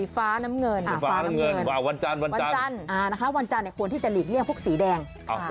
ฟ้าน้ำเงินวันจันทร์ควรที่จะหลีกเลี่ยงพวกสีแดง